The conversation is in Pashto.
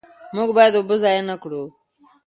موږ باید اوبه ضایع نه کړو.